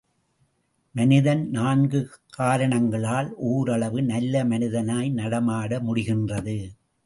மனிதன் நான்கு காரணங்களால் ஓரளவு நல்ல மனிதனாய் நடமாட முடிகின்றது.